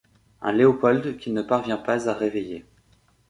Un Léopold qu'il ne parvient pas à réveiller.